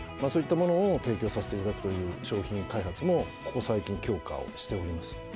そういったものを提供させていただくという商品開発もここ最近強化をしております。